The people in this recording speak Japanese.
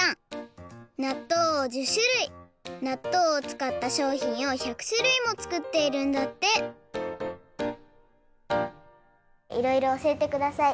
なっとうを１０しゅるいなっとうをつかったしょうひんを１００しゅるいもつくっているんだっていろいろおしえてください！